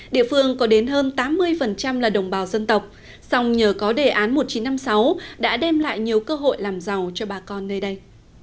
địa phương có đến hơn tám mươi là đồng bào dân tộc song nhờ có đề án một nghìn chín trăm năm mươi sáu đã đem lại nhiều cơ hội làm giàu cho bà con nơi đây